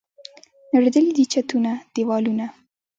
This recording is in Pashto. نړېدلي دي چتونه، دیوالونه